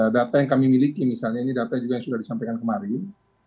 data yang kami miliki misalnya ini data juga yang sudah disampaikan kemarin